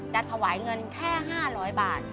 จะถวายเงินแค่๕๐๐บาท